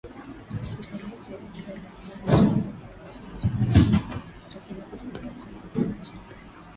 katika ile serikali ambaye itakuja lakini sana sana utakuja kugundua kwamba wao hatimaye